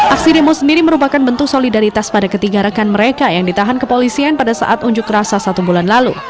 aksi demo sendiri merupakan bentuk solidaritas pada ketiga rekan mereka yang ditahan kepolisian pada saat unjuk rasa satu bulan lalu